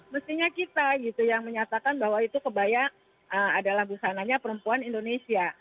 mestinya kita gitu yang menyatakan bahwa itu kebaya adalah busananya perempuan indonesia